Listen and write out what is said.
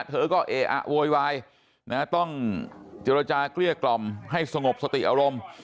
เธอก็เออะโวยวายต้องเจรจาเกลี้ยกล่อมให้สงบสติอารมณ์